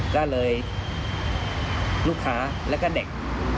ก็เลยลูกค้าแล้วก็เด็ก